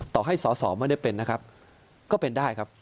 ต่อให้สอสอไม่ได้เป็นนะครับก็เป็นได้ครับ